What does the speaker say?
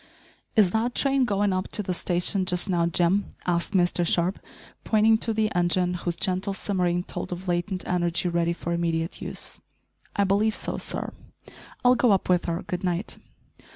"Is that train going up to the station just now, Jim?" asked Mr Sharp, pointing to the engine, whose gentle simmering told of latent energy ready for immediate use. "I believe so, sir." "I'll go up with her. Good night."